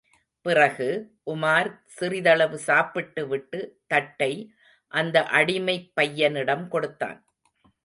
பிறகு, உமார் சிறிதளவு சாப்பிட்டு விட்டு தட்டை அந்த அடிமைப்பையனிடம் கொடுத்தான்.